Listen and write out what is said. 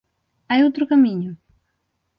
Hai outro camiño?